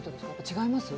違います？